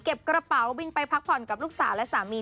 กระเป๋าบินไปพักผ่อนกับลูกสาวและสามี